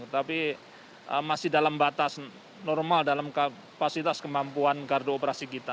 tapi masih dalam batas normal dalam kapasitas kemampuan gardu operasi kita